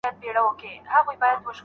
سندي څېړنه بې سرپرسته نه پرېښودل کېږي.